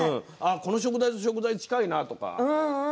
この食材とこの食材、近いなとか。